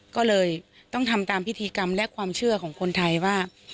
ก็เลยต้องทำตามพิธีกรรมและความเชื่อของคนไทยว่า